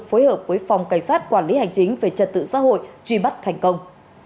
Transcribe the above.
phối hợp với phòng cảnh sát quản lý hành chính về trật tự xã hội truy bắt thành công